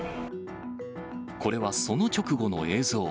これはその直後の映像。